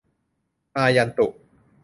อายันตุ